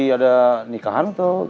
andini karisma putri